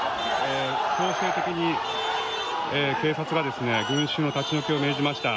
強制的に、警察が群衆の立ち退きを命じました。